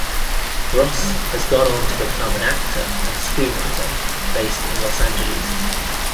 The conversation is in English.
Ross has gone on to become an actor and screenwriter, based in Los Angeles.